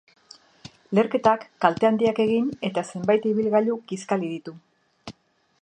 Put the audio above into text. Leherketak kalte handiak egin eta zenbait ibilgailu kiskali ditu.